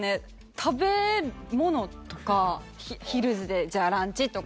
食べ物とかヒルズでじゃあランチとか。